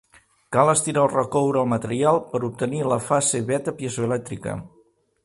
Cal estirar o recoure el material per obtenir la fase beta piezoelèctrica.